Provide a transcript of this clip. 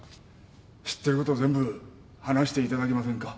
知ってること全部話していただけませんか？